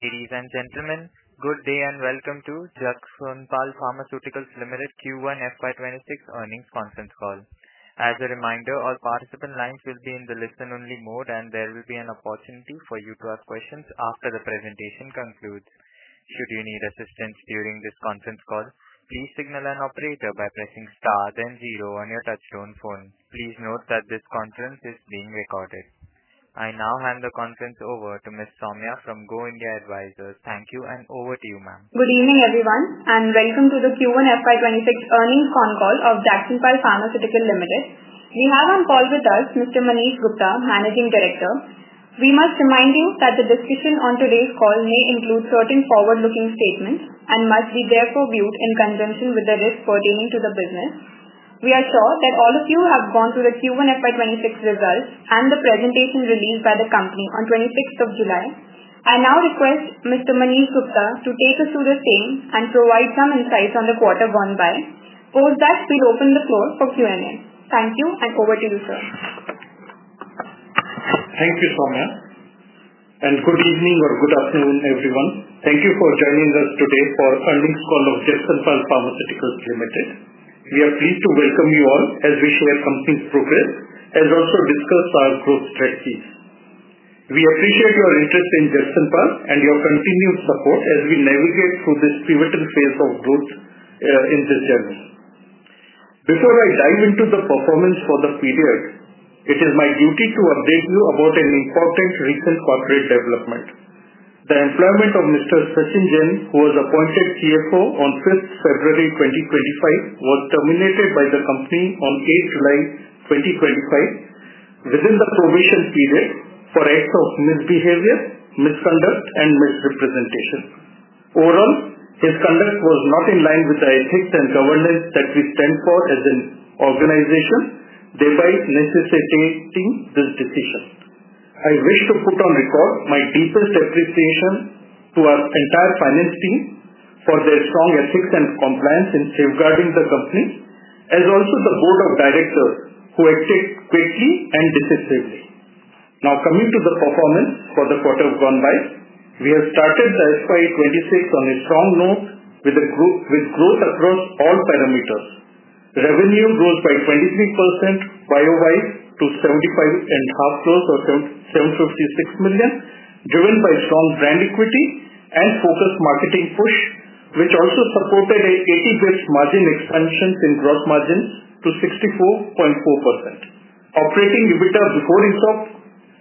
Ladies and gentlemen, good day and welcome to Jagsonpal Pharmaceuticals Ltd Q1 FY 2026 Earnings Conference Call. As a reminder, all participant lines will be in the listen-only mode, and there will be an opportunity for you to ask questions after the presentation concludes. Should you need assistance during this conference call, please signal an operator by pressing star zero on your touchtone phone. Please note that this conference is being recorded. I now hand the conference over to Ms. Soumya from Go India Advisors. Thank you and over to you, ma'am. Good evening, everyone, and welcome to the Q1 FY 2026 earnings conference call of Jagsonpal Pharmaceuticals Ltd. We have on call with us Mr. Manish Gupta, Managing Director. We must remind you that the discussion on today's call may include certain forward-looking statements and must be therefore viewed in conjunction with the risks pertaining to the business. We are sure that all of you have gone through the Q1 FY 2026 results and the presentation released by the company on 26th of July. I now request Mr. Manish Gupta to take us through the same and provide some insights on the quarter gone by. Before that, we'll open the floor for Q&A. Thank you and over to you, sir. Thank you, Soumya. Good evening or good afternoon, everyone. Thank you for joining us today for the earnings call of Jagsonpal Pharmaceuticals Ltd. We are pleased to welcome you all as we share the company's progress and also discuss our growth strategies. We appreciate your interest in Jagsonpal and your continued support as we navigate through this pivotal phase of growth in this industry. Before I dive into the performance for the period, it is my duty to update you about an important recent corporate development. The employment of Mr. Sachin Jain, who was appointed CFO on February 5, 2025, was terminated by the company on July 8, 2025, within the probation period for acts of misbehavior, misconduct, and misrepresentation. Overall, his conduct was not in line with the ethics and governance that we stand for as an organization, thereby necessitating this decision. I wish to put on the call my deepest appreciation to our entire finance team for their strong ethics and compliance in safeguarding the company, as also the Board of Directors who acted quickly and decisively. Now coming to the performance for the quarter gone by, we have started FY 2026 on a strong note with growth across all parameters. Revenue rose by 23% year-on-year to 756 million, driven by strong brand equity and focused marketing push, which also supported an 80 basis points expansion in gross margin to 64.4%. Operating EBITDA before results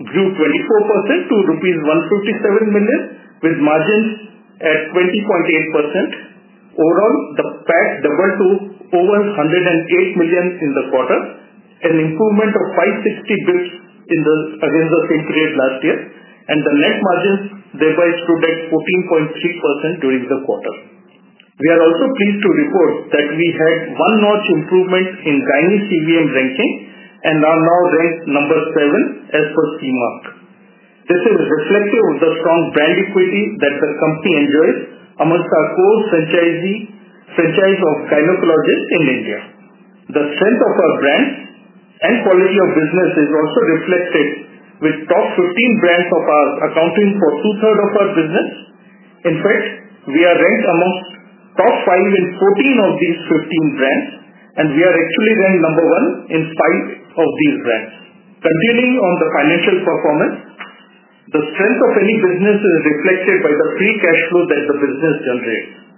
grew 24% to INR 157 million, with margins at 20.8%. Overall, the PAT doubled to over 108 million in the quarter, an improvement of 56 million in the same period last year, and the net margins thereby stood at 14.3% during the quarter. We are also pleased to report that we had one-notch improvements in Guinness CVM ranking and are now ranked number seven as per CMARC. This is reflective of the strong brand equity that our company enjoys amongst our core franchisees of pharmacologists in India. The strength of our brand and quality of business is also reflected with the top 15 brands of ours accounting for 2/3 of our business. In fact, we are ranked amongst the top five in 14 of these 15 brands, and we are actually ranked number one in five of these brands. Continuing on the financial performance, the strength of any business is reflected by the free cash flow that the business generates.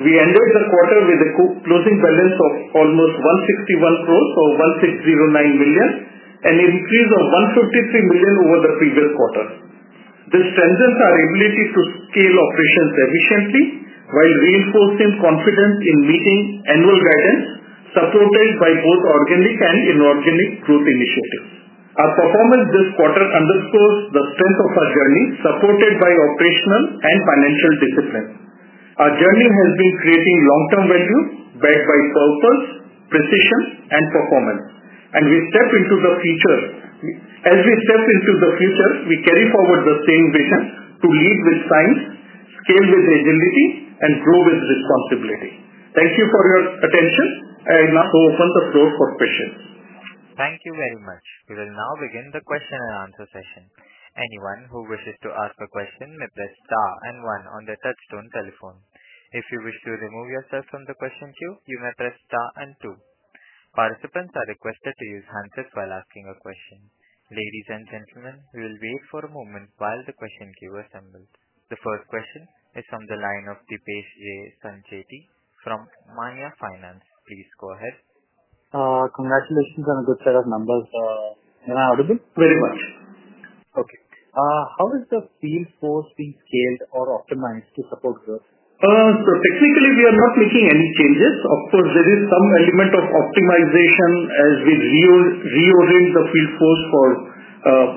We ended the quarter with a closing balance of almost 1,609 million, an increase of 153 million over the previous quarter. This strengthens our ability to scale operations efficiently while reinforcing confidence in meeting annual guidance, supplemented by both organic and inorganic growth initiatives. Our performance this quarter underscores the strength of our journey, supported by operational and financial discipline. Our journey has been creating long-term values backed by purpose, precision, and performance. As we step into the future, we carry forward the same vision to lead with science, scale with agility, and grow with responsibility. Thank you for your attention. I now open the floor for questions. Thank you very much. We will now begin the question-and-answer session. Anyone who wishes to ask a question may press star one on their touchtone telephone. If you wish to remove yourself from the question queue, you may press star two. Participants are requested to use hands up while asking a question. Ladies and gentlemen, we'll wait for a moment while the question queue is assembled. The first question is from the line of Deepesh Sancheti from Maanya Finance. Please go ahead. Congratulations on a good set of numbers. I would have been pretty well. Okay, how is the field force being scaled or optimized to support growth? Technically, we are not making any changes. Of course, there is some element of optimization as we reorient the field force for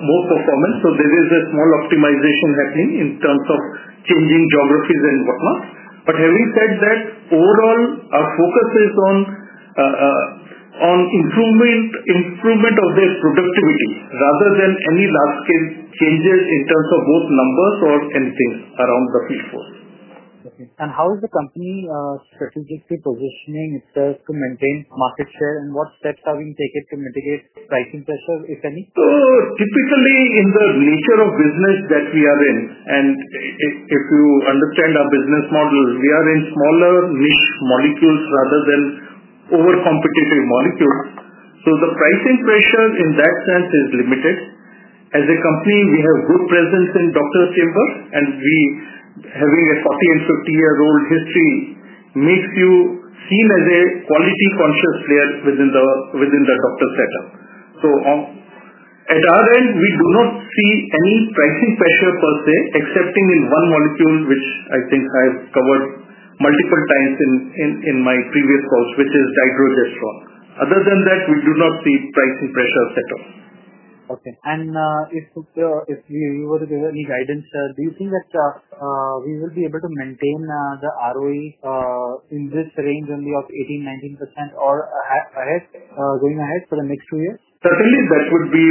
more performance. There is a small optimization happening in terms of changing geographies and whatnot. Having said that, overall, our focus is on improvement of this productivity rather than any large-scale changes in terms of both numbers or anything around the field force. Okay. How is the company strategically positioning itself to maintain market share? What steps are being taken to mitigate pricing pressure, if any? Typically, in the nature of business that we are in, and if you understand our business model, we are in smaller molecules rather than overcompetitive molecules. The pricing pressure in that sense is limited. As a company, we have a good presence in the doctor's chamber, and we, having a 40 and 50-year-old history, seem to be a quality-conscious player within the doctor setup. At our end, we do not see any pricing pressure per se, except in one molecule, which I think I've covered multiple times in my previous calls, which is Dydrogestrone. Other than that, we do not see pricing pressure set up. Okay. If you were to give any guidance, do you think that we will be able to maintain the ROE in this range only of 18%-19% or ahead going ahead for the next two years? Certainly, that would be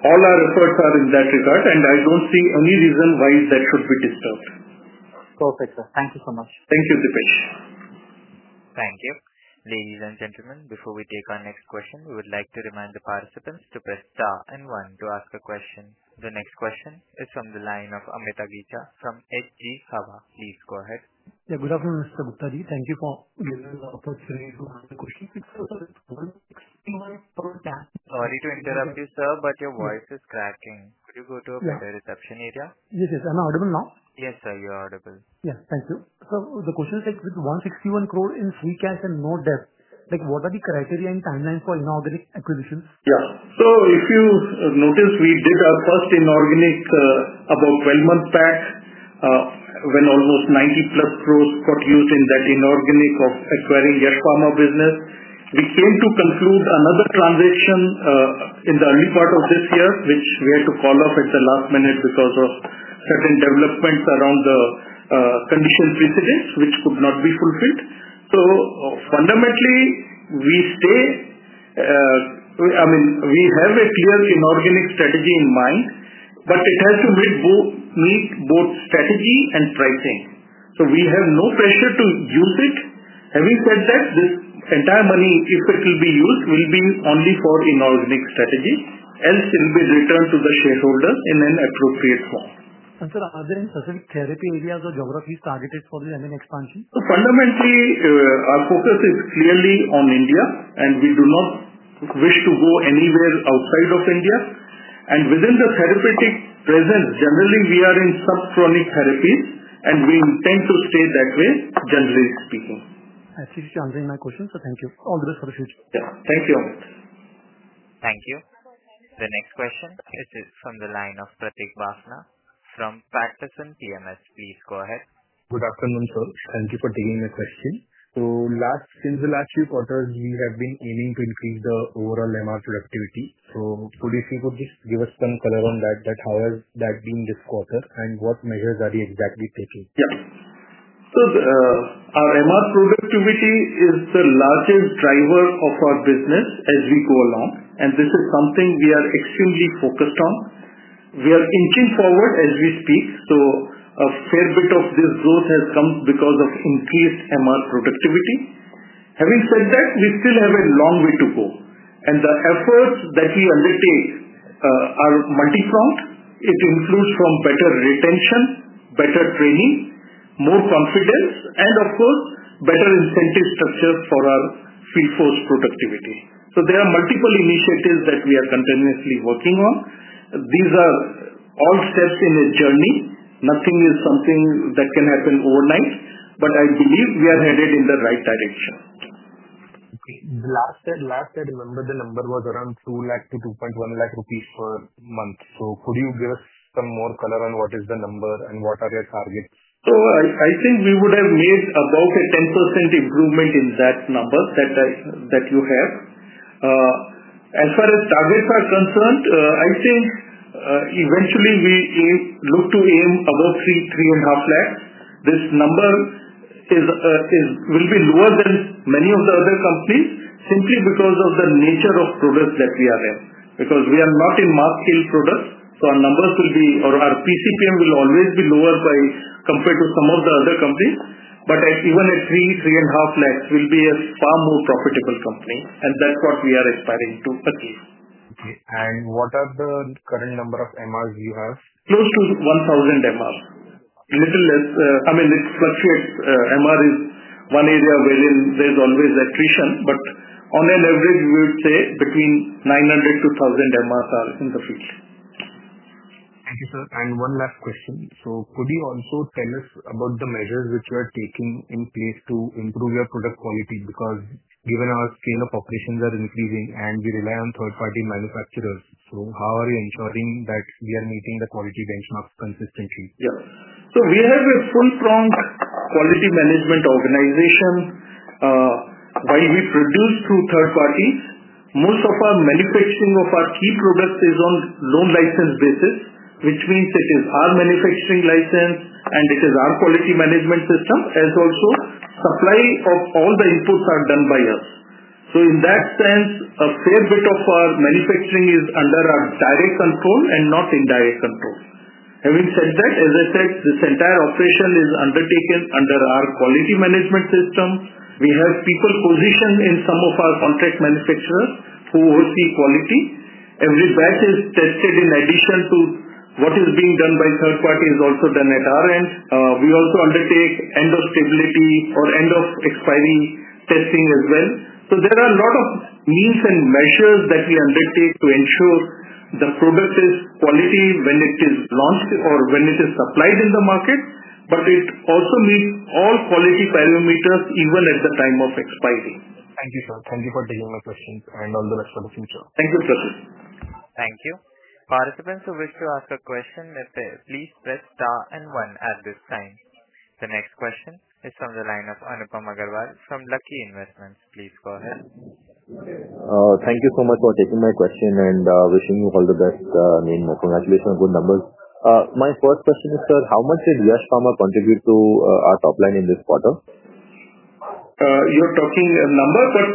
all our efforts are in that regard, and I don't see any reason why that should be disturbed. Perfect, sir. Thank you so much. Thank you, Deepesh. Thank you. Ladies and gentlemen, before we take our next question, we would like to remind the participants to press star one to ask a question. The next question is from the line of Amit Agicha from H.G. Hawa. Please go ahead. Yeah, good afternoon, Mr. Gupta. Thank you for giving us the opportunity to answer questions. Sorry to interrupt you, sir, but your voice is cracking. Could you go to a better reception area? Yes, yes. Am I audible now? Yes, sir, you are audible. Yes, thank you. Sir, the question is, with 161 crore in free cash and no debt, like what are the criteria and timelines for inorganic acquisitions? Yeah. If you notice, we did our first inorganic about 12 months back, when almost 90+ crore got used in that inorganic of acquiring Yash Pharma business. We were soon to conclude another transaction in the early part of this year, which we had to follow up at the last minute because of certain developments around the conditions we produced, which could not be fulfilled. Fundamentally, we have a clear inorganic strategy in mind, but it has to meet both strategy and pricing. We have no pressure to use it. Having said that, the entire money, if it will be used, will be only for inorganic strategy, else it will be returned to the shareholder in an appropriate form. Sir, are there any specific therapy areas or geographies targeted for the M&A expansion? Our focus is clearly on India, and we do not wish to go anywhere outside of India. Within the therapeutic presence, generally, we are in sub-chronic therapies, and we intend to stay that way, generally speaking. I see she's answering my question, so thank you. All the best for the session. Yeah, thank you all. Thank you. The next question, this is from the line of Pratik Bafna from Paterson PMS. Please go ahead. Good afternoon, sir. Thank you for taking the question. Since the last few quarters, we have been aiming to increase the overall MR productivity. Could you just give us some color on that, how has that been this quarter and what measures are you exactly taking? Yeah. Sir, our MR productivity is the largest driver of our business as we go along, and this is something we are extremely focused on. We are inching forward as we speak. A fair bit of this growth has come because of increased MR productivity. Having said that, we still have a long way to go. The efforts that we undertake are multi-pronged. It includes better retention, better training, more confidence, and of course, better incentive structures for our free force productivity. There are multiple initiatives that we are continuously working on. These are all steps in a journey. Nothing is something that can happen overnight, but I believe we are headed in the right direction. Okay. Last year, I remember the number was around 2 lakh-210 lakh rupees per month. Could you give us some more color on what is the number and what are your targets? I think we would have made about a 10% improvement in that number that you have. As far as targets are concerned, I think eventually we look to aim above 350,000. This number will be lower than many of the other companies simply because of the nature of products that we have, because we are not in mass-scale products. Our numbers will be, or our PCPM will always be lower compared to some of the other companies. Even at 300,000, INR 350,000, we'll be a far more profitable company, and that's what we are aspiring to achieve. Okay. What are the current number of MRs you have? Close to 1,000 MRs. I mean, it fluctuates. MR is one area wherein there's always a friction, but on average, we would say between 900-1,000 MRs are in the field. Thank you, sir. One last question. Could you also tell us about the measures which you are taking in place to improve your product quality? Given our scale of operations is increasing and we rely on third-party manufacturers, how are you ensuring that we are meeting the quality benchmarks consistently? Yeah. We have a full-pronged quality management organization. While we produce through third parties, most of our manufacturing of our key products is on non-licensed basis, which means this is our manufacturing license and this is our quality management system, as also supply of all the inputs are done by us. In that sense, a fair bit of our manufacturing is under our direct control and not indirect control. Having said that, this entire operation is undertaken under our quality management system. We have people positioned in some of our contract manufacturers who oversee quality. Every batch is tested in addition to what is being done by third parties and is also done at our end. We also undertake end-of-stability or end-of-expiry testing as well. There are a lot of means and measures that we undertake to ensure the product is quality when it is launched or when it is supplied in the market. It also meets all quality parameters even at the time of expiry. Thank you, sir. Thank you for taking our questions and all the best for the future. Thank you, Pratik. Thank you. Participants who wish to ask a question, please press star one at this time. The next question is from the line of Anupam Agarwal from Lucky Investments. Please go ahead. Thank you so much for taking my question and wishing you all the best. I mean, congratulations on good numbers. My first question is, sir, how much did Yash Pharma contribute to our top line in this quarter? You're talking a number, but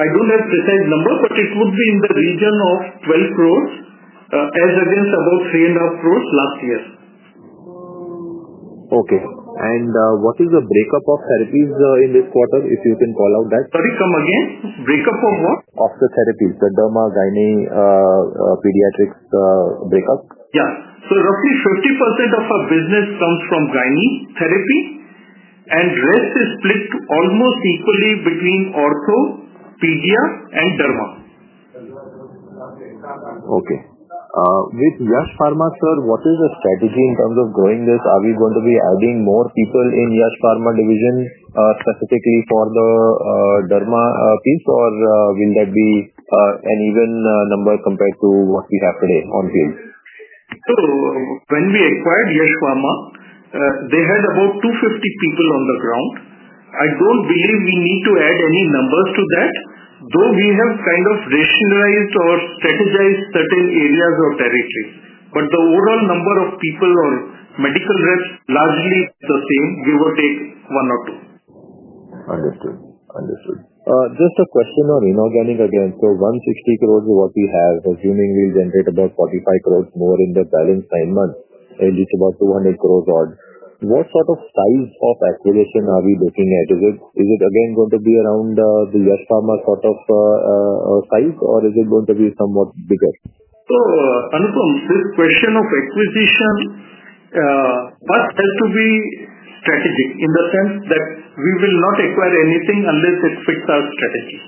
I don't have a precise number, but it would be in the region of 12 crore, as against about 3.5 crore last year. What is the breakup of therapies in this quarter, if you can call out that? Sorry, come again? Breakup of what? Of the therapies, the derma, gynae, pediatrics breakup. Yeah. So roughly 50% of our business comes from gynae therapy, and the rest is split almost equally between ortho, pedia, and derma. Okay. With Gas Pharma, sir, what is the strategy in terms of growing this? Are we going to be adding more people in Yash Pharma division specifically for the derma piece, or will there be an even number compared to what we have today on field? When we acquired Yash Pharma, they had about 250 people on the ground. I don't believe we need to add any numbers to that, though we have kind of rationalized or strategized certain areas or territories. The overall number of people or medical reps is largely the same, give or take one or two. Understood. Just a question on inorganic again. 160 crores is what we have. Assuming we'll generate about 45 crores more in the balance nine months, and it's about 200 crores odd. What sort of size of acquisition are we looking at? Is it again going to be around the Yash Pharma sort of size, or is it going to be somewhat bigger? Anupam, this question of acquisition must tend to be strategic in the sense that we will not acquire anything unless it fits our strategy.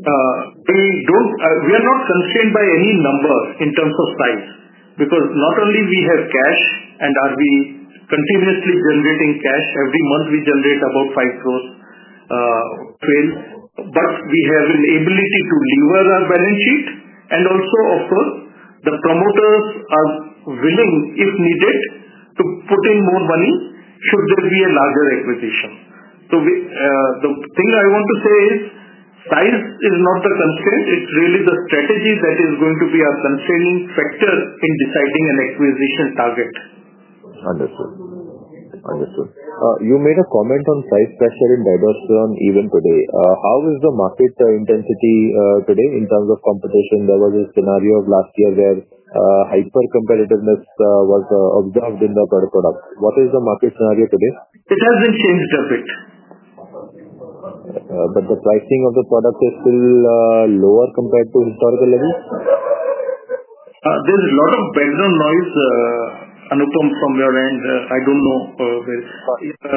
We are not constrained by any number in terms of size because not only do we have cash and are we continuously generating cash every month, we generate about 5 crore, but we have an ability to lever our balance sheets. The promoters are willing, if needed, to put in more money should there be a larger acquisition. The thing I want to say is size is not the constraint. It's really the strategy that is going to be our constraining factor in deciding an acquisition target. Understood. Understood. You made a comment on price pressure in Dydrogestrone on Event Today. How is the market intensity today in terms of competition? There was a scenario last year where hyper-competitiveness was observed in the product. What is the market scenario today? It hasn't changed a bit. The pricing of the product is still lower compared to historical levels? There's a lot of bells and noise, Anupam, from your end. I don't know where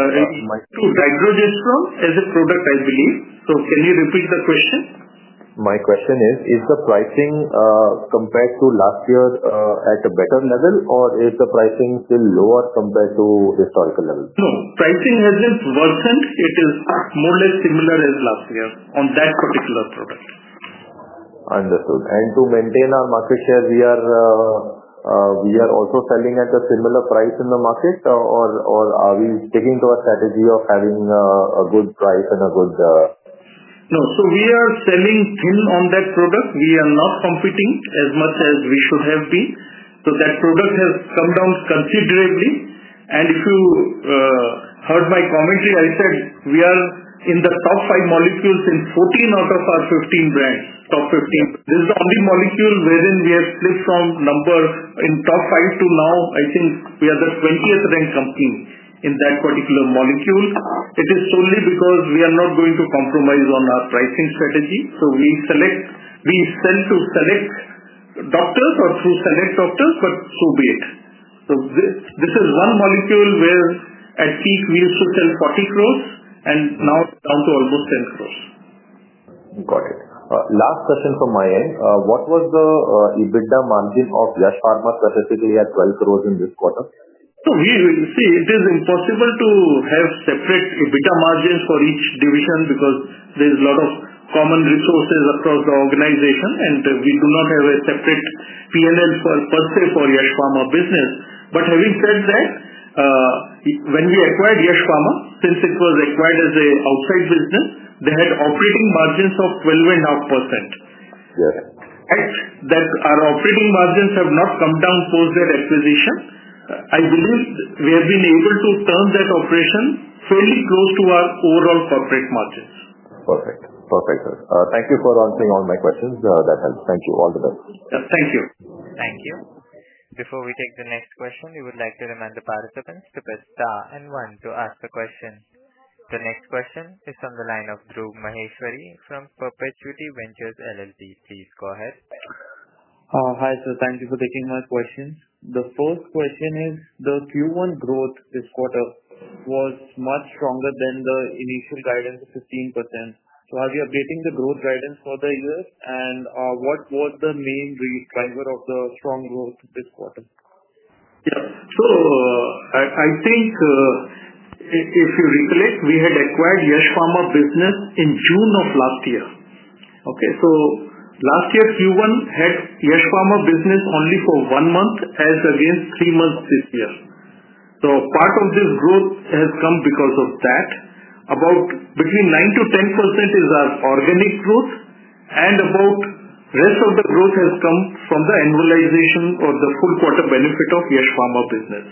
to diverge from as a product, I believe. Can you repeat the question? My question is, is the pricing compared to last year at a better level, or is the pricing still lower compared to historical levels? No, pricing hasn't worsened. It is more or less similar as last year on that particular product. Understood. To maintain our market share, we are also selling at a similar price in the market, or are we taking to a strategy of having a good price and a good? No. We are selling thin on that product. We are not competing as much as we should have been. That product has come down considerably. If you heard my comment, I said we are in the top five molecules in 14 out of our top 15 brands. This is the only molecule wherein we are split from number in top five to now, I think we are the 20th ranked company in that particular molecule. It is solely because we are not going to compromise on our pricing strategy. We sell to select doctors or through select doctors, but who be it? This is one molecule where at peak we used to sell 400 million and now it's down to almost 100 million. Got it. Last question from my end. What was the EBITDA margin of Yash Pharma specifically at 12 crore in this quarter? It is impossible to have separate EBITDA margins for each division because there's a lot of common resources across the organization, and we do not have a separate P&L per se for Gas Pharma business. Having said that, when we acquired Yash Pharma, since it was acquired as an outside business, they had operating margins of 12.5%. Our operating margins have not come down post that acquisition. I believe we have been able to turn that operation fairly close to our overall corporate margins. Perfect. Perfect, sir. Thank you for answering all my questions. That helps. Thank you, all the best. Yeah, thank you. Thank you. Before we take the next question, we would like to remind the participants to press star one to ask a question. The next question is from the line of Dhruv Maheshwari from Perpetuity Ventures LLP. Please go ahead. Hi, sir. Thank you for taking my questions. The first question is, the Q1 growth this quarter was much stronger than the initial guidance of 15%. Are you updating the growth guidance for the U.S., and what was the main driver of the strong growth this quarter? Yeah. I think if you recollect, we had acquired Yash Pharma business in June of last year. Last year, Q1 had Yash Pharma business only for one month, as against three months this year. Part of this growth has come because of that. About between 9%-10% is our organic growth, and the rest of the growth has come from the annualization or the full quarter benefit of Yash Pharma business.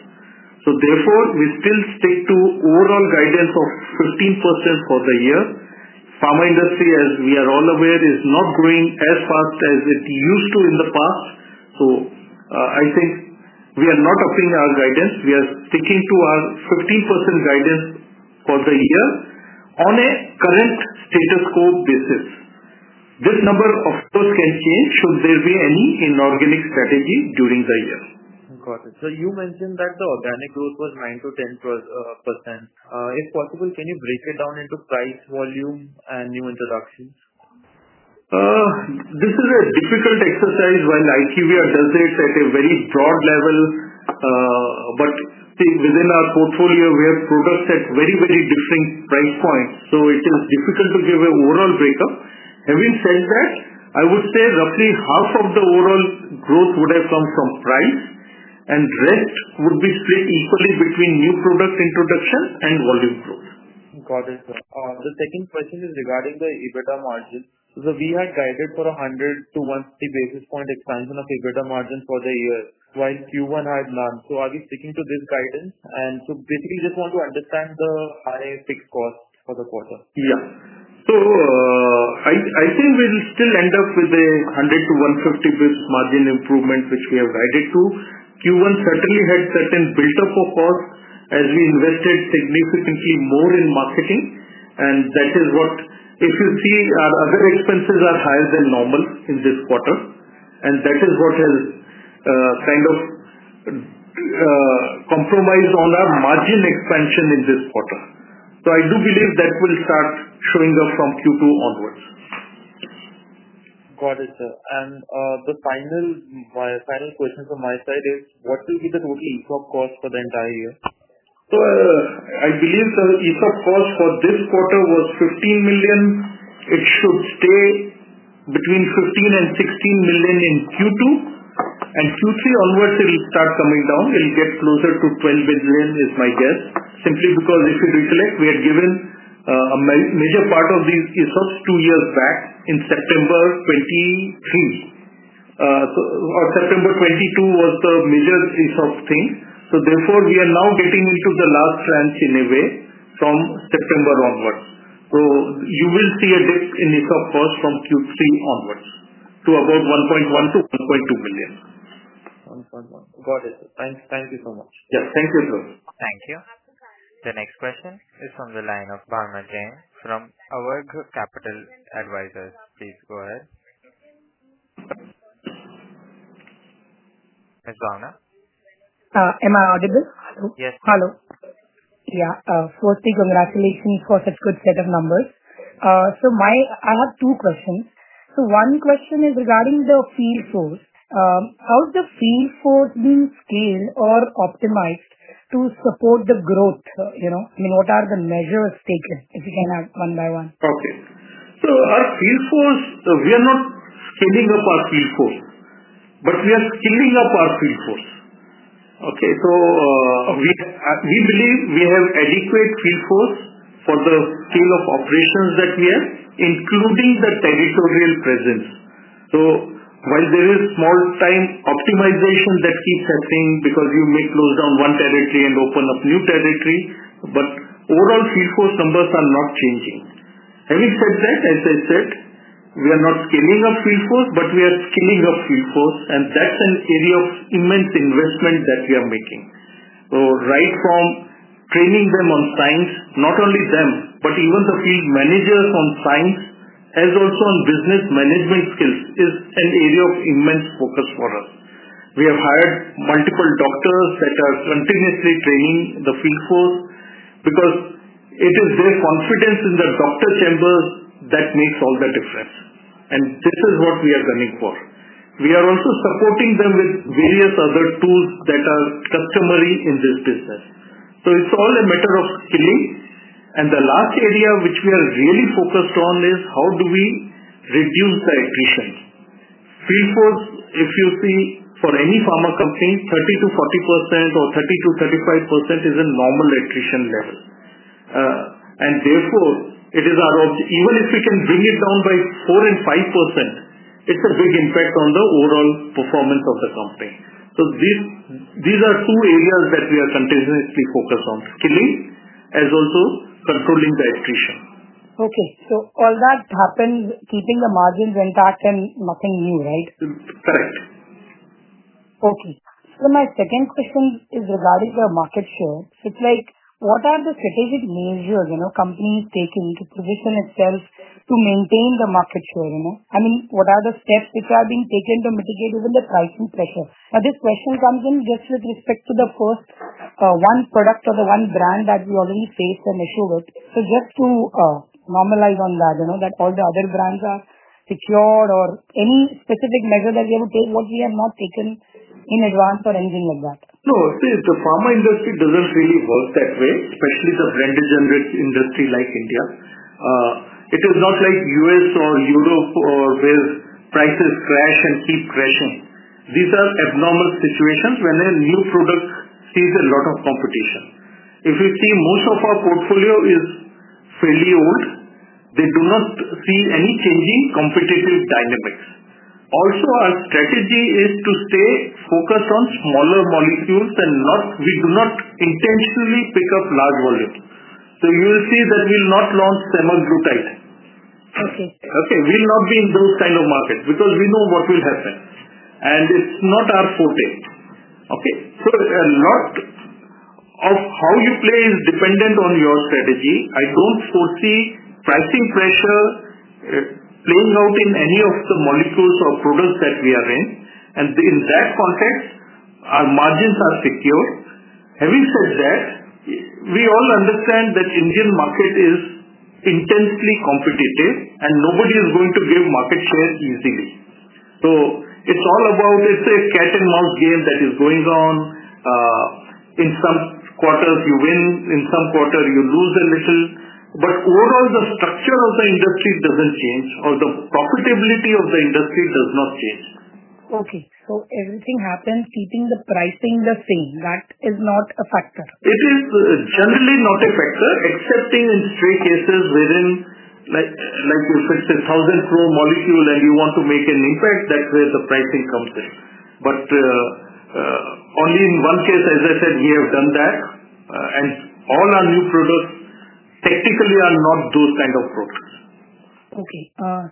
Therefore, we still stay to overall guidance of 15% for the year. The pharma industry, as we are all aware, is not growing as fast as it used to in the past. I think we are not upping our guidance. We are sticking to our 15% guidance for the year on a current status quo basis. This number of course can change should there be any inorganic strategy during the year. Got it. You mentioned that the organic growth was 9%-10%. If possible, can you break it down into price, volume, and new interactions? This is a difficult exercise while we are doing it at a very broad level. I think within our portfolio, we have products at very, very different price points. It is difficult to give an overall breakup. Having said that, I would say roughly half of the overall growth would have come from price, and the rest would be split equally between new product introduction and volume growth. Got it. The second question is regarding the EBITDA margin. We had guided for 100-150 basis point expansion of EBITDA margin for the year while Q1 had none. Are we sticking to this guidance? Basically, we just want to understand the higher fixed cost for the quarter. Yeah. I think we will still end up with a 100-150 margin improvement, which we have guided to. Q1 certainly had a certain build-up of cost as we invested significantly more in marketing. That is what, if you see, our other expenses are higher than normal in this quarter. That is what has kind of compromised on our margin expansion in this quarter. I do believe that will start showing up from Q2 onwards. Got it, sir. The final question from my side is, what will be the total ESOP cost for the entire year? I believe the ESOP cost for this quarter was 15 million. It should stay between 15 million-16 million in Q2. Q3 onwards, it will start coming down. It will get closer to 12 million is my guess, simply because if you recollect, we are given a major part of these ESOPs two years back in September 2022. September 2022 was the major ESOP thing. Therefore, we are now getting into the last tranche in a way from September onwards. You will see a dip in ESOP cost from Q3 onwards to about 1.1 million-1.2 million. Got it. Thank you so much. Yeah, thank you, sir. Thank you. The next question is from the line of Bhavana Jain from Avagrah Capital Advisors. Please go ahead. Hey, Bhavana. Am I audible? Yes. Hello. Firstly, congratulations for such a good set of numbers. I have two questions. One question is regarding the field force. How is the field force being scaled or optimized to support the growth? What are the measures taken? If you can add one by one. Okay. Our field force, we are not scaling up our field force, but we are scaling up our field force. We believe we have adequate field force for the field of operations that we have, including the territorial presence. While there is small-time optimization that keeps happening because you may close down one territory and open up new territory, overall field force numbers are not changing. Having said that, as I said, we are not scaling up field force, but we are scaling up field force, and that's an area of immense investment that we are making. Right from training them on science, not only them, but even the field managers on science, as also on business management skills, is an area of immense focus for us. We have hired multiple doctors that are continuously training the field force because it is their confidence in the doctor chamber that makes all the difference. This is what we are gunning for. We are also supporting them with various other tools that are customary in this business. It's all a matter of scaling. The last area which we are really focused on is how do we reduce the attrition. Field force, if you see, for any pharma companies, 30%-40% or 30%-35% is a normal attrition level. Therefore, it is our objective. Even if we can bring it down by 4% and 5%, it's a big impact on the overall performance of the company. These are two areas that we are continuously focused on, scaling, as also controlling the attrition. Okay. All that happens, keeping the margins intact and nothing new, right? Correct. Okay. My second question is regarding the market share. What are the strategic measures the company is taking to position itself to maintain the market share? What are the steps which are being taken to mitigate even the pricing pressure? This question comes in just with respect to the first one product or the one brand that we already face an issue with. Just to normalize on that, you know that all the other brands are secured or any specific measure that we have to take, what we have not taken in advance or anything like that? Sure. See, the pharma industry doesn't really work that way, especially the rent-generated industry like India. It is not like U.S. or Europe where prices crash and keep crashing. These are abnormal situations when a new product sees a lot of competition. If you see, most of our portfolio is fairly old. They do not see any changing competitive dynamics. Also, our strategy is to stay focused on smaller molecules and we do not intentionally pick up large volumes. You will see that we'll not launch semaglutide. Okay. We'll not be in those kinds of markets because we know what will happen, and it's not our forte. A lot of how you play is dependent on your strategy. I don't foresee pricing pressure flowing out in any of the molecules or products that we are in, and in that context, our margins are secure. Having said that, we all understand that the Indian market is intensely competitive, and nobody is going to give market share easily. It's a cat-and-mouse game that is going on. In some quarters, you win, in some quarters, you lose a little. Overall, the structure of the industry doesn't change, or the profitability of the industry does not change. Everything happens, keeping the pricing the same. That is not a factor. It is generally not a factor, except in stray cases wherein, like we said, the 1,000-crore molecule, and you want to make an impact, that's where the pricing comes in. Only in one case, as I said, we have done that, and all our new products technically are not those kinds of products. Okay,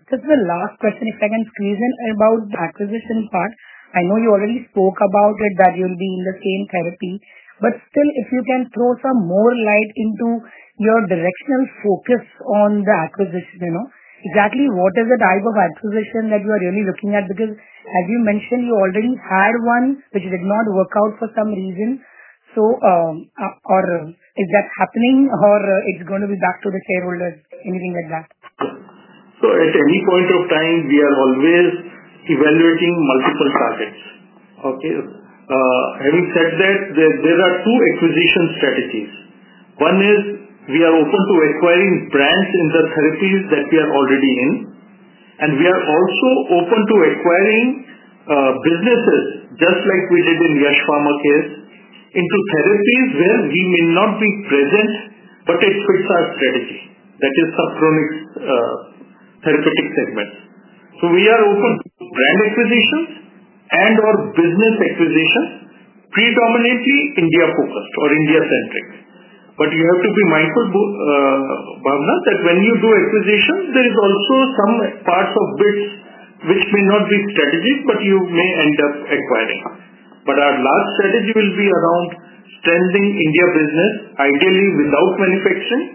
just the last question, if I can squeeze in about the acquisition part. I know you already spoke about it, that you'll be in the same therapy. If you can throw some more light into your directional focus on the acquisition, you know exactly what is the type of acquisition that you are really looking at? As you mentioned, you already had one, which did not work out for some reason. Is that happening, or it's going to be back to the shareholders? Anything like that? Sure. At any point of time, we are always evaluating multiple targets. Having said that, there are two acquisition strategies. One is we are open to acquiring brands in the therapies that we are already in. We are also open to acquiring businesses, just like we did in the Yash Pharma case, into therapies where we may not be present, but it fits our strategy. That is sub-chronic therapeutic segments. We are open to brand acquisitions and/or business acquisitions, predominantly India-focused or India-centric. You have to be mindful, Bhavana, that when you do acquisitions, there are also some parts of which may not be strategic, but you may end up acquiring. Our last strategy will be around strengthening India business, ideally without manufacturing,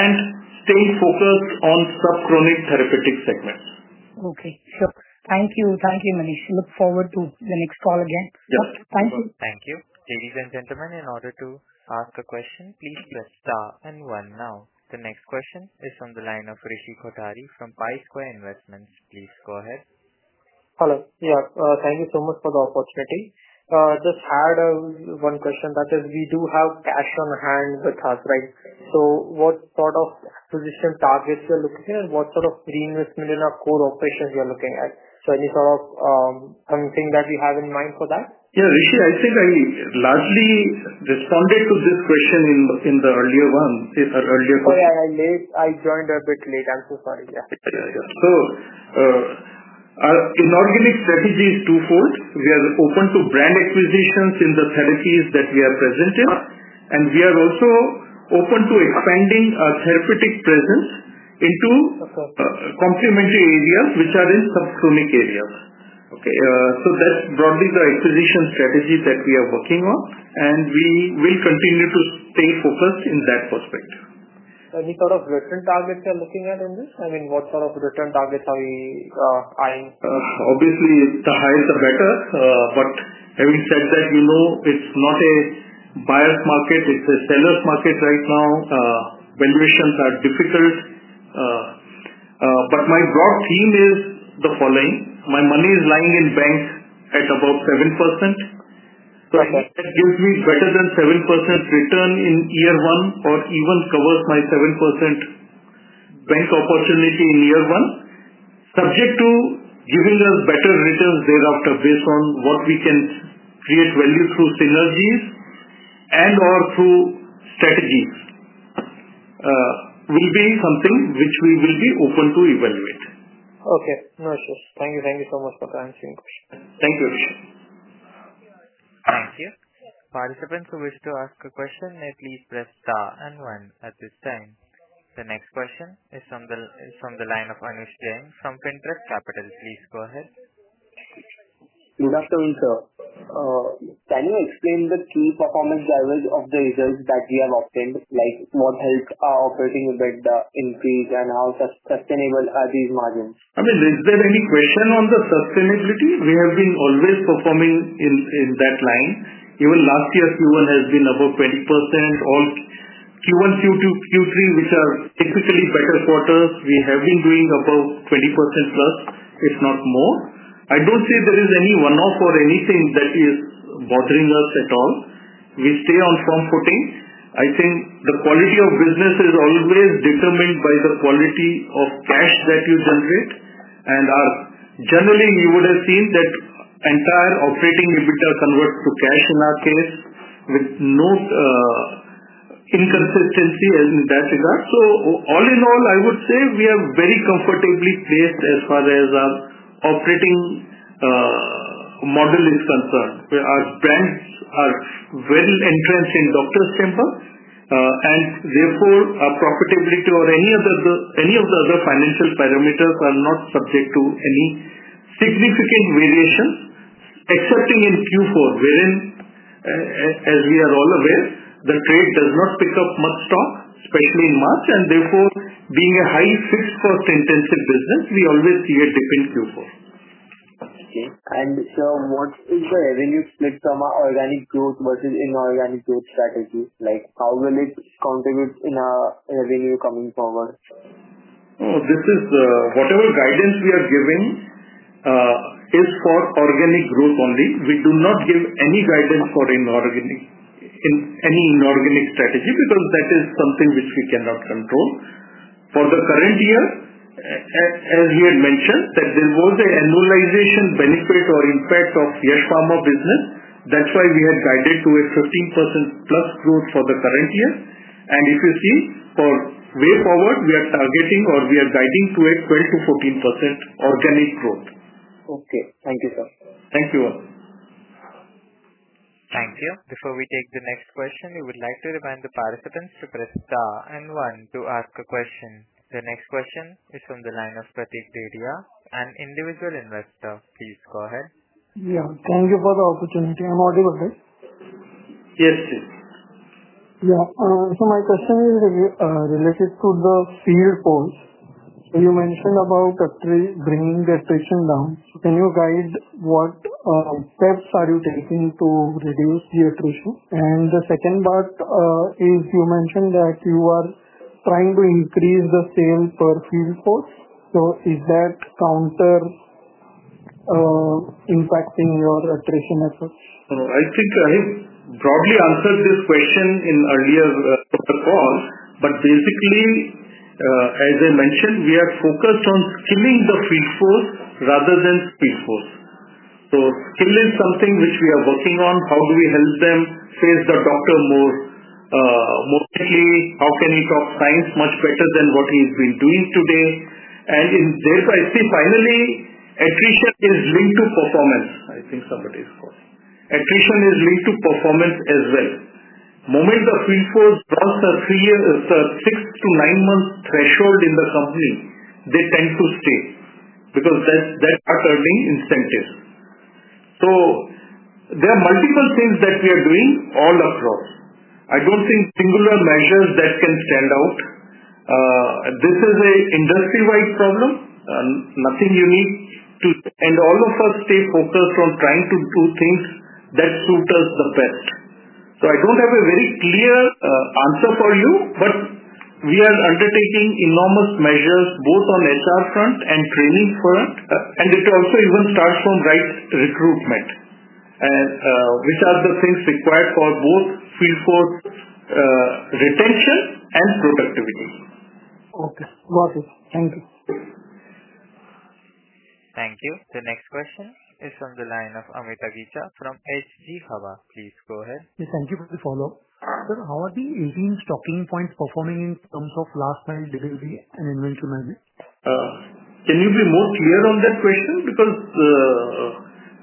and staying focused on sub-chronic therapeutic segments. Okay. Sure. Thank you. Thank you, Manish. Look forward to the next call again. Yeah. Thank you. Thank you. Ladies and gentlemen, in order to ask a question, please press star one now. The next question is from the line of Rishi Kothari from Pi Square Investments. Please go ahead. Hello. Thank you so much for the opportunity. I just had one question. That is, we do have cash on hand with us, right? What sort of position targets are you looking at? What sort of reinvestment in our core operations are you looking at? Is there anything that you have in mind for that? Yeah, Rishi, I think I largely responded to this question in the earlier one. Oh, yeah, I joined a bit late. I'm so sorry. Yeah. Yeah. Inorganic strategy is twofold. We are open to brand acquisitions in the therapies that we are presenting, and we are also open to expanding our therapeutic presence into complementary areas, which are in sub-chronic areas. That's broadly the acquisition strategy that we are working on, and we will continue to stay focused in that perspective. Any sort of return targets you're looking at in this? I mean, what sort of return targets are you eyeing? Obviously, the higher the better. Having said that, you know it's not a buyer's market. It's a seller's market right now. Vendor issues are difficult. My broad theme is the following. My money is lying in banks at about 7%. I hope that gives me better than 7% return in year one or even covers my 7% bank opportunity in year one, subject to giving us better returns thereafter based on what we can create value through synergies and/or through strategies. It will be something which we will be open to evaluating. Okay. Noted. Thank you. Thank you so much for answering. Thank you. Thank you. Participants who wish to ask a question, please press star one at this time. The next question is from the line of Anush Jain from Finterest Capitals. Please go ahead. Good afternoon, sir. Can you explain the key performance drivers of the results that we have obtained? Like what helps our operating EBITDA increase, and how sustainable are these margins? I mean, is there any question on the sustainability? We have been always performing in that line. Even last year, Q1 has been about 20%. All Q1, Q2, Q3, which are typically better quarters, we have been doing about 20%+, if not more. I don't see there is any one-off or anything that is bothering us at all. We stay on firm footing. I think the quality of business is always determined by the quality of cash that you generate. Generally, you would have seen that the entire operating EBITDA converts to cash in our case with no inconsistency in that regard. All in all, I would say we are very comfortably placed as far as our operating model is concerned. Our brands are well entrenched in doctors' temple. Therefore, our profitability or any of the other financial parameters are not subject to any significant variation, except in Q4, wherein, as we are all aware, the growth does not pick up much stock, especially in March. Therefore, being a high fixed cost intensive business, we always see a dip in Q4. Okay. Sir, what is the revenue split from our organic growth versus inorganic growth strategy? How will it contribute in our revenue coming forward? Oh, this is whatever guidance we are giving is for organic growth only. We do not give any guidance for any inorganic strategy because that is something which we cannot control for the current year. As we had mentioned, that there was an annualization benefit or impact of Gas Pharma business. That's why we have guided to a 15%+ growth for the current year. If you see, for way forward, we are targeting or we are guiding to a 12%-14% organic growth. Okay. Thank you, sir. Thank you all. Thank you. Before we take the next question, we would like to remind the participants to press star one to ask a question. The next question is from the line of Pratik Dedhia, an individual investor. Please go ahead. Thank you for the opportunity. I'm audible, right? Yes, yes. Yeah. My question is related to the field force. You mentioned about attrition bringing the attrition down. Can you guide what steps are you taking to reduce the attrition? The second part is you mentioned that you are trying to increase the sales per field force. Is that counter-impacting your attrition efforts? I think I broadly answered this question in earlier parts of the call. Basically, as I mentioned, we are focused on scaling the field force rather than field force. Still is something which we are working on. How do we help them face the doctor more? More quickly, how can we talk science much better than what we've been doing today? In third, I think finally, attrition is linked to performance. I think somebody is called. Attrition is linked to performance as well. The moment the field force drops at six to nine months threshold in the company, they tend to stay because that's our turning incentive. There are multiple things that we are doing all across. I don't think singular measures that can stand out. This is an industry-wide problem. Nothing unique to. All of us stay focused on trying to do things that suit us the best. I don't have a very clear answer for you, but we are undertaking enormous measures both on HR front and training front. It also even starts from right recruitment, which are the things required for both field force retention and productivity. Okay. Got it. Thank you. Thank you. The next question is from the line of Amit Agicha from H.G. Hawa. Please go ahead. Yeah, thank you for the follow-up. Sir, how are the 18 stopping points performing in terms of last-time delivery and inventory management? Can you be more clear on that question?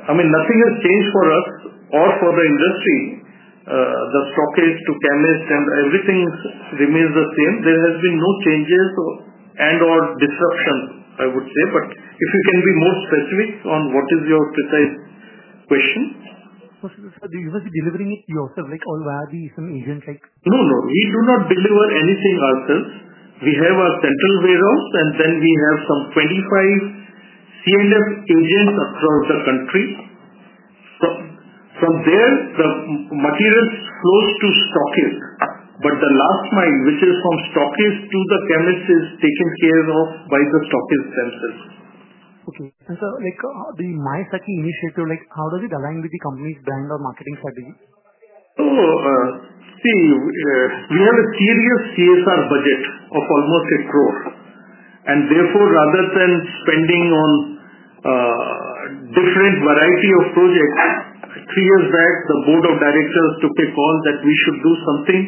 I mean, nothing has changed for us or for the industry. The stock is to chemists and everything remains the same. There have been no changes or disruptions, I would say. If you can be more specific on what is your question? Do you guys be delivering it yourself, or are there some agents? No, no. We do not deliver anything ourselves. We have our central warehouse, and then we have some 25 CLS agents across the country. From there, the materials flow to stockist. The last mile, which is from stockist to the chemist, is taken care of by the stockist's sensors. Okay. Sir, like the MySakhi initiative, how does it align with the company's brand or marketing strategy? Oh, see, we have a serious CSR budget of almost 10 million. Therefore, rather than spending on different varieties of projects, three years back, the Board of Directors took a call that we should do something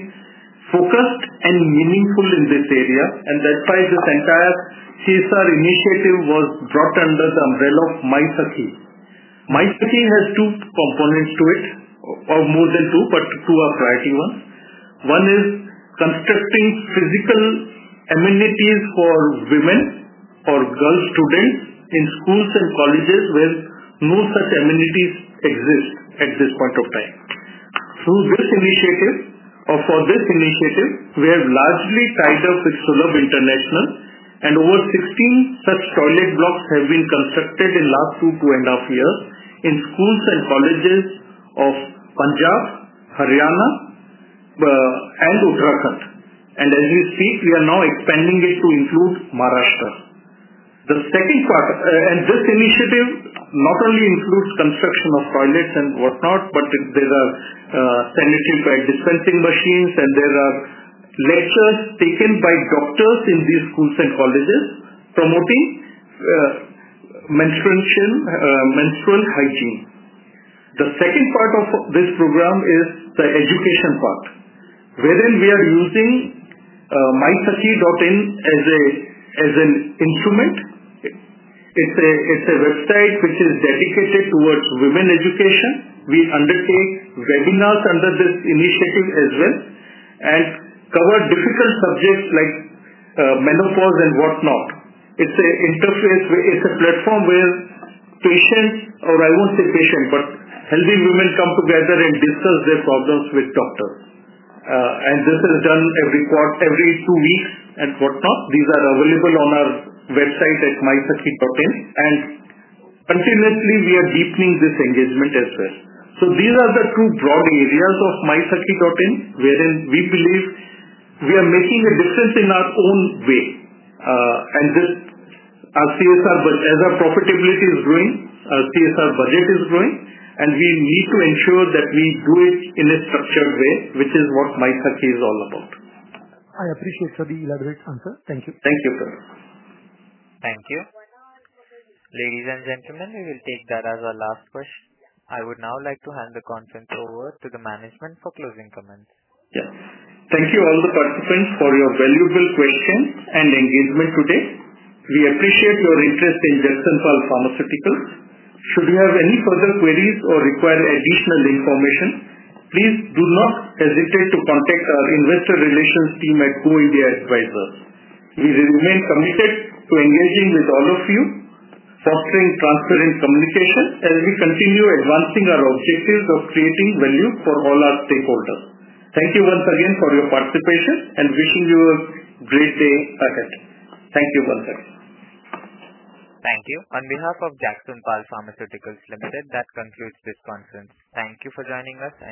focused and meaningful in this area. That's why this entire CSR initiative was brought under the umbrella of MySakhi. MySakhi has two components to it, or more than two, but two are priority ones. One is consisting of physical amenities for women or girls' students in schools and colleges where no such amenities exist at this point of time. Through this initiative, or for this initiative, we have largely tied up with Sulabh International, and over 16 such toilet blocks have been constructed in the last two and a half years in schools and colleges of Punjab, Haryana, and Uttarakhand. We are now expanding it to include Maharashtra. This initiative not only includes construction of toilets and whatnot, but there are sanitary and dispensing machines, and there are lectures taken by doctors in these schools and colleges promoting menstrual hygiene. The second part of this program is the education part, wherein we are using MySakhi.in as an instrument. It's a website which is dedicated toward women education. We undertake webinars under this initiative as well and cover difficult subjects like menopause and whatnot. It's an interface. It's a platform where patients, or I won't say patients, but healthy women come together and discuss their problems with doctors. This is done every two weeks and whatnot. These are available on our website at MySakhi.in. Continuously, we are deepening this engagement as well. These are the two broad areas of MySakhi.in wherein we believe we are making a difference in our own way. As our profitability is growing, our CSR budget is growing, and we need to ensure that we do it in a structured way, which is what MySakhi is all about. I appreciate your elaborate answer. Thank you. Thank you, sir. Thank you. Ladies and gentlemen, we will take that as our last question. I would now like to hand the conference over to the management for closing comments. Yeah. Thank you all the participants for your valuable questions and engagement today. We appreciate your interest in Jagsonpal Pharmaceuticals Ltd. Should you have any further queries or require additional information, please do not hesitate to contact our investor relations team at Go India Advisors. We remain committed to engaging with all of you, supporting transparent communication, and we continue advancing our objectives of creating value for all our stakeholders. Thank you once again for your participation and wishing you a great day ahead. Thank you once again. Thank you. On behalf of Jagsonpal Pharmaceuticals Ltd, that concludes this conference. Thank you for joining us.